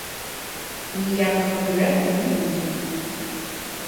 І ніякага грэху не будзе.